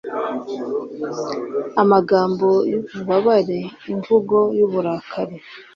amagambo y'ububabare imvugo y'uburakari